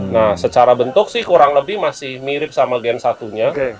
nah secara bentuk sih kurang lebih masih mirip sama gen satunya